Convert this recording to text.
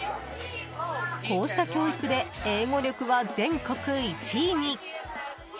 こうした教育で英語力は全国１位に。